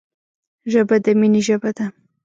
ژبه د مینې ژبه ده